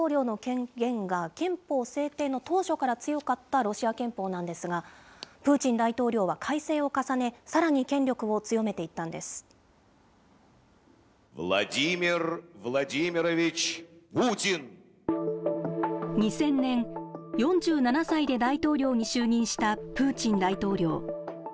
大統領の権限が、憲法制定の当初から強かったロシア憲法なんですが、プーチン大統領は改正を重ね、さらに権力を強めていった２０００年、４７歳で大統領に就任したプーチン大統領。